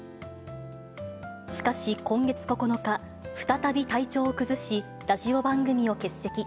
しかし今月９日、再び体調を崩し、ラジオ番組を欠席。